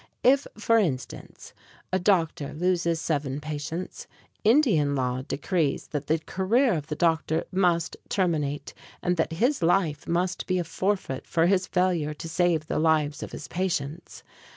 If, for instance, a doctor loses seven patients, Indian law decrees that the career of the doctor must terminate, and that his life must be a forfeit for his failure to save the lives of his patients.